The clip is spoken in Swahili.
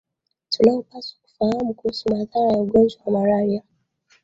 tunaopaswa kufahamu kuhusu madhara ya ugonjwa wa malaria